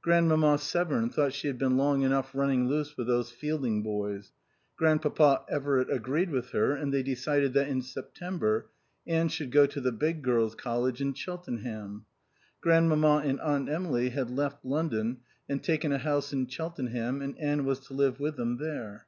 Grandmamma Severn thought she had been long enough running loose with those Fielding boys. Grandpapa Everitt agreed with her and they decided that in September Anne should go to the big girls' college in Cheltenham. Grandmamma and Aunt Emily had left London and taken a house in Cheltenham and Anne was to live with them there.